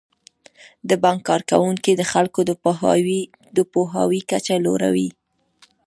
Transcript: د بانک کارکوونکي د خلکو د پوهاوي کچه لوړوي.